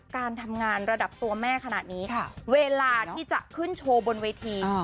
การทำงานระดับตัวแม่ขนาดนี้เวลาที่จะขึ้นโชว์บนเวที